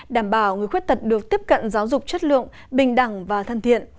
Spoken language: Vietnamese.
đảm bảo người khuyết tật được tiếp cận giáo dục chất lượng bình đẳng và thân thiện